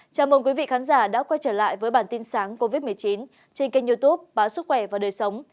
chào mừng quý vị khán giả đã quay trở lại với bản tin sáng covid một mươi chín trên kênh youtube báo sức khỏe và đời sống